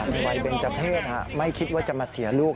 ในวัยเบนเจอร์เพศไม่คิดว่าจะมาเสียลูก